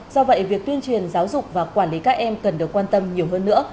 do vậy việc tuyên truyền giáo dục và quản lý các em cần được quan tâm nhiều hơn nữa